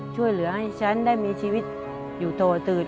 ช่วยเหลือให้ฉันได้มีชีวิตอยู่โตตื่น